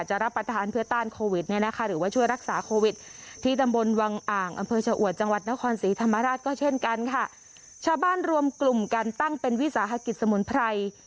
เช่นกันค่ะชาวบ้านรวมกลุ่มการตั้งเป็นวิสาหกิจสมุนไพร